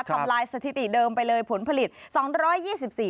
ทำลายสถิติเดิมไปเลยผลผลิต๒๒๔บาท